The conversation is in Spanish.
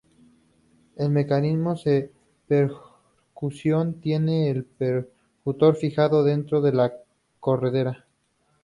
El mecanismo de percusión tiene un percutor fijado dentro de la corredera.